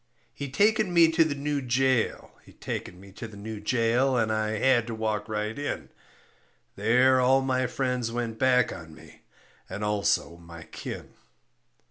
He taken me to the new jail, he taken me to the new jail, And I had to walk right in. There all my friends went back on me And also my kin.